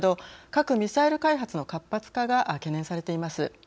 核ミサイル開発の活発化が懸念されています。